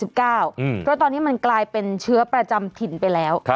เพราะตอนนี้มันกลายเป็นเชื้อประจำถิ่นไปแล้ว